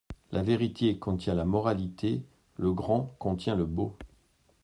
La vérité contient la moralité, le grand contient le beau.